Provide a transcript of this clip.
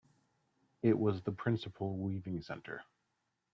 It was the principal weaving centre.